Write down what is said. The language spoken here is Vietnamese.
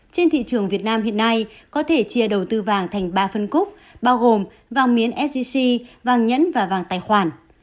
trên thị trường việt nam hiện nay có thể chia đầu tư vàng thành ba phân khúc bao gồm vàng miếng sgc vàng nhẫn và vàng tài khoản